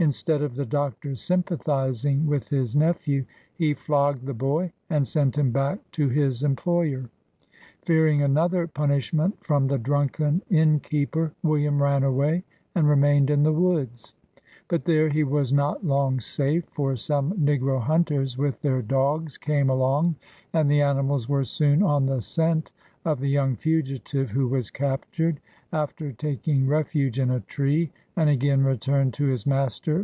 Instead of the Doctor sympathizing with his nephew, he flogged the boy, and sent him back to his employer. Fearing AN AMERICAN BONDMAN. 15 another punishment from the drunken inn keeper, William ran away and remained in the woods. But there he was not long safe, for some negro hunters, with their dogs, came along, and the animals were soon on the scent of the young fugitive, who was captured, after taking refuge in a tree, and again returned to his master.